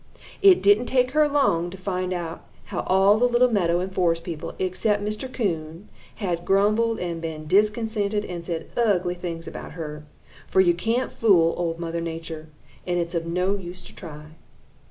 It didn't take her long to find out how all the little meadow and forest people, except Mr. Coon, had grumbled and been discontented and said ugly things about her, for you can't fool Old Mother Nature, and it's of no use to try.